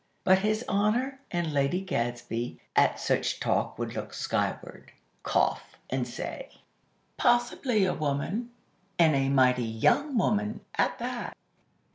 But His Honor and Lady Gadsby, at such talk would look skyward, cough, and say: "Possibly a woman; and a mighty young woman, at that."